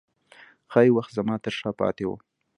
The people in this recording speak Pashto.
ښايي وخت زما ترشا پاته و